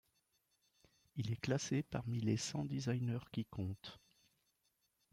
Il est classé parmi les cent designers qui comptent.